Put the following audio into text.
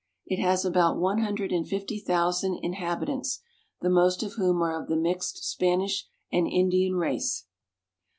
It has about one hundred and fifty thousand in habitants, the most of whom are of the mixed Spanish and Indian race.